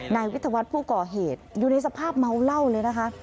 นายวิทยาวัฒน์ผู้ก่อเหตุอยู่ในสภาพเมาเหล้าเลยนะคะ